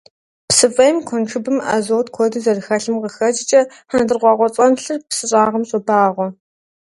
Псы фӀейм, куэншыбым азот куэду зэрыхэлъым къыхэкӀкӀэ, хьэндыркъуакъуэцӀэнлъыр псы щӀагъым щобагъуэ.